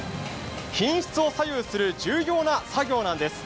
品質を左右する重要な作業なんです。